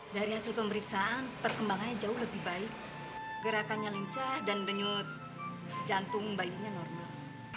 dari hasil pemeriksaan perkembangannya jauh lebih baik gerakannya lincah dan denyut jantung bayinya normal